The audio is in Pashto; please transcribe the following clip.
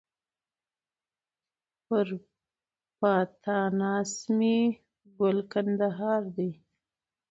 پر پاتا ناست مي ګل کندهار دی